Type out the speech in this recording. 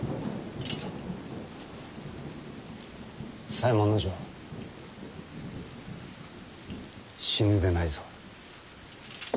左衛門尉死ぬでないぞ。